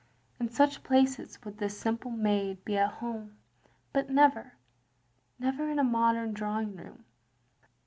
In such places would this simple maid be at home, but never — ^never in a modem drawing room.